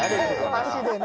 「足でね」